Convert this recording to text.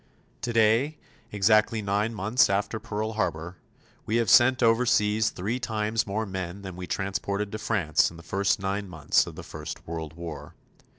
Today, exactly nine months after Pearl Harbor, we have sent overseas three times more men than we transported to France in the first nine months of the first World War.